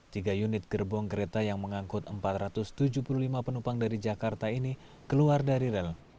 tiga unit gerbong kereta yang mengangkut empat ratus tujuh puluh lima penumpang dari jakarta ini keluar dari rel